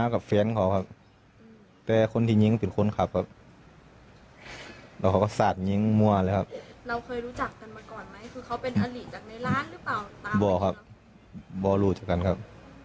คือเขาเป็นอาหรี่จากในร้านหรือเปล่าบ่อครับบ่อรูจากนั้นครับ